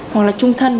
hoặc là trung thân